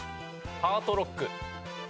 ハートロック。